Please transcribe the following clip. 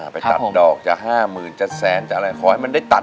ไปตัดดอกจะ๕๐๐๐จะแสนจะอะไรขอให้มันได้ตัด